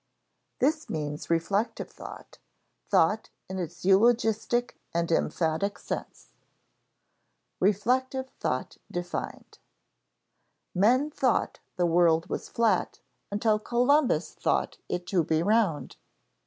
This means reflective thought thought in its eulogistic and emphatic sense. [Sidenote: Reflective thought defined] Men thought the world was flat until Columbus thought it to be round.